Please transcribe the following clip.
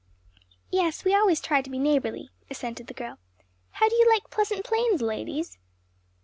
"Yes, we always try to be neighborly," assented the girl. "How do you like Pleasant Plains, ladies?"